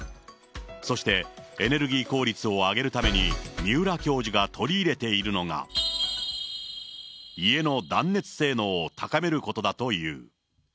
そしてエネルギー効率を上げるために、三浦教授が取り入れているのが、家の断熱性能を高めることだという。